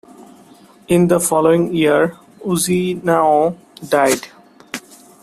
In the following year, Ujinao died.